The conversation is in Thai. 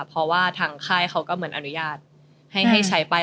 เพราะว่าทางค่ายเขาก็เหมือนอนุญาตให้ใช้ไป